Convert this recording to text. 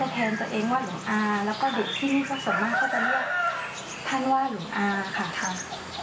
เรียกกันมาตั้งแต่เด็กท่านก็จะแทนตัวเองว่าหลวงอาแล้วก็เด็กที่นี่ก็ส่วนมากก็จะเรียกท่านว่าหลวงอาค่ะ